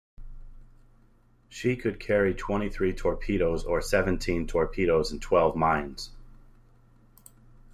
She could carry twenty-three torpedoes or seventeen torpedoes and twelve mines.